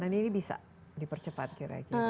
nah ini bisa dipercepat kira kira